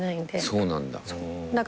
そうなんだ。